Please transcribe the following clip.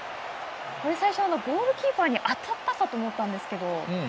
最初、ゴールキーパーに当たったかと思ったんですけど。